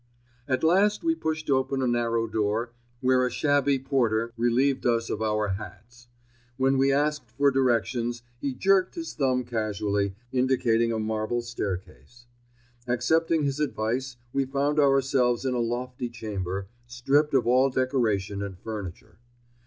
At last we pushed open a narrow door where a shabby porter relieved us of our hats. When we asked for directions, he jerked his thumb casually, indicating a marble staircase. Accepting his advice we found ourselves in a lofty chamber, stripped of all decoration and furniture.